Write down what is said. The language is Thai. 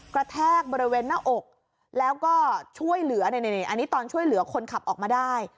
แทกบริเวณหน้าอกแล้วก็ช่วยเหลืออันนี้ตอนช่วยเหลือคนขับออกมาได้